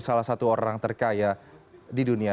salah satu orang terkaya di dunia